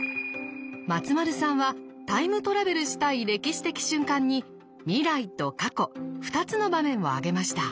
松丸さんはタイムトラベルしたい歴史的瞬間に未来と過去２つの場面を挙げました。